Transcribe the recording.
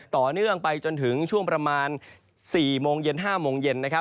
ต่อเนื่องไปจนถึงช่วงประมาณ๔โมงเย็น๕โมงเย็น